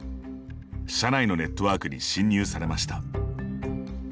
社内のネットワークに侵入されました。